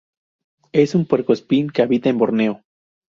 Es un puercoespín que habita en Borneo.